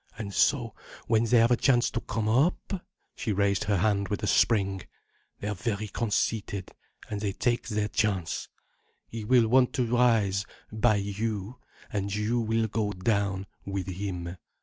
"And so—when they have a chance to come up—" she raised her hand with a spring—"they are very conceited, and they take their chance. He will want to rise, by you, and you will go down, with him.